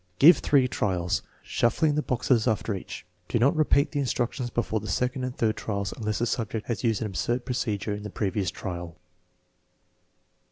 Give three trials, shuffling the boxes after each. Do not repeat the instructions before the second and third trials unless the subject has used an absurd procedure in the previous trial.